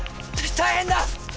大変だ！